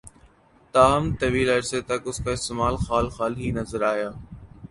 تاہم ، طویل عرصے تک اس کا استعمال خال خال ہی نظر آیا